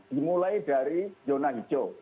dimulai dari yonah hijo